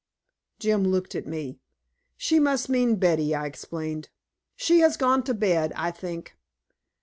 Jim looked at me. "She must mean Betty," I explained. "She has gone to bed, I think."